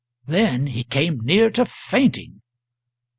Then he came near to fainting.